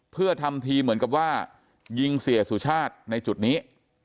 เพื่อทำทีเหมือนกับว่ายิงเสียสุชาติในจุดนี้